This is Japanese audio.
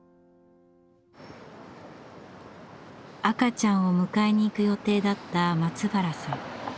赤ちゃんを迎えに行く予定だった松原さん。